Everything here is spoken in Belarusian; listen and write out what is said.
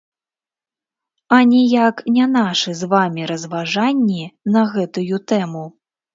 А ніяк не нашы з вамі разважанні на гэтую тэму.